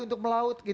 untuk melaut gitu